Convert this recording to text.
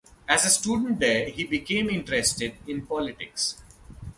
As a student there, he became interested in politics.